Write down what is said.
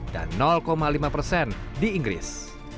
dan lima persen di inggris